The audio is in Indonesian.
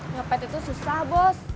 ngepet itu susah bos